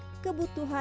sekarang betul juga